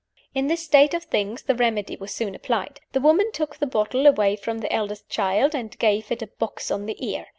In this state of things the remedy was soon applied. The woman took the bottle away from the eldest child, and gave it a "box on the ear."